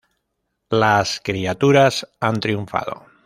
Las criaturas han triunfado.